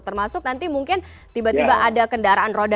termasuk nanti mungkin tiba tiba ada kendaraan roda